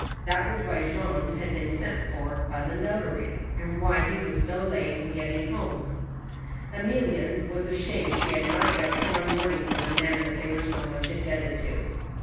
That was why Jean had been sent for by the notary, and why he was so late in getting home. Emilienne was ashamed she had not yet put on mourning for the man they were so much indebted to.